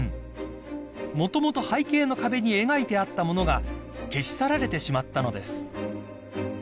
［もともと背景の壁に描いてあったものが消し去られてしまったのです］